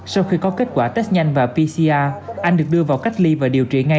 sau khi có kết quả test nhanh và pcr anh được đưa vào cách ly và điều trị ngay